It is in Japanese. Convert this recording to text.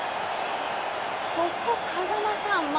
ここ、風間さん